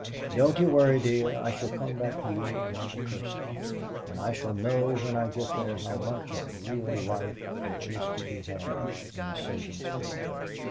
"Don't you worry, dear. I shall come back to you another person, and I shall know when I get there how much of real life there is to be had in Sabinsport."